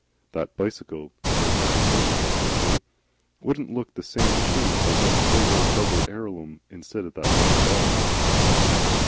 "That bicycle," he remarked, quite irrelevantly, "wouldn't look the same machine if I got a big, double Elarum instead of that little bell."